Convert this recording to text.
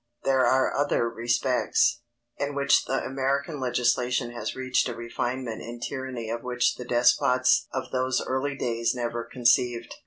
There are other respects, in which American legislation has reached a refinement in tyranny of which the despots of those early days never conceived.